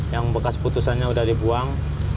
yang bekas putusannya sudah dibuang